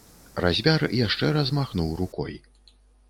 Разьбяр яшчэ раз махнуў рукой.